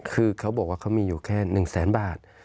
คือเขาบอกว่าเขามีอยู่แค่๑แสนบาท